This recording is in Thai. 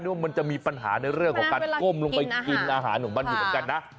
ว่ามันจะมีปัญหาในเรื่องของการก้มลงไปกินอาหารของมันอยู่เหมือนกันนะ